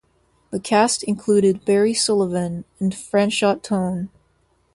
The cast included Barry Sullivan and Franchot Tone.